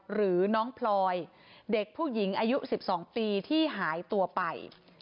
หรือน้องพลอยเด็กผู้หญิงอายุ๑๒ปีที่หายตัวไป